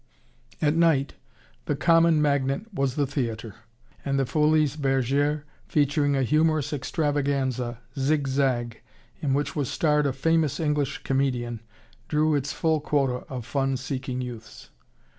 At night, the common magnet was the theatre, and the Folies Bergeres, featuring a humorous extravaganza, Zig Zag, in which was starred a famous English comedian, drew its full quota of fun seeking youths.